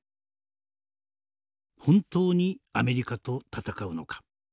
本当にアメリカと戦うのか。